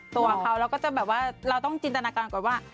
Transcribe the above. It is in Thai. ตัวเขาเราก็จะแบบว่าเราต้องจินตนาการก่อนว่า